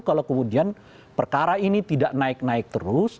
kalau kemudian perkara ini tidak naik naik terus